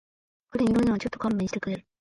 これに乗るのはちょっと勘弁してくれ